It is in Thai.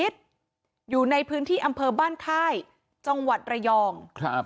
โดยหาตกลงวัดระยอง